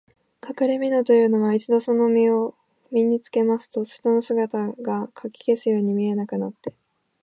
かくれみのというのは、一度そのみのを身につけますと、人の姿がかき消すように見えなくなって、